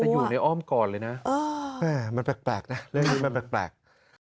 อยู่ในอ้อมก่อนเลยนะเรื่องนี้มันแปลก